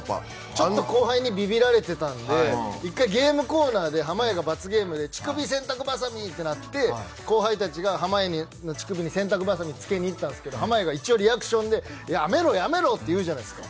ちょっと後輩にビビられてたので一回ゲームコーナーで濱家が罰ゲームで乳首洗濯バサミってなって濱家の乳首に洗濯バサミをつけにいったんですけどやめろやめろって言うじゃないですか。